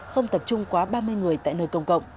không tập trung quá ba mươi người tại nơi công cộng